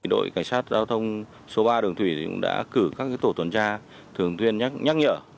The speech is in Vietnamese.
đội cảnh sát giao thông số ba đường thủy đã cử các tổ tuần tra thường tuyên nhắc nhở